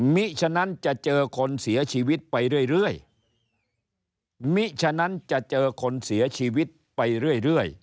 มิฉะนั้นจะเจอคนเสียชีวิตไปเรื่อย